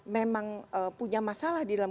memang punya masalah di dalam